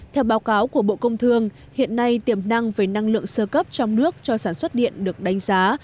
theo báo cáo của bộ công thương hiện nay tiềm năng về năng lượng sơ cấp trong nước cho sản xuất điện được đánh giá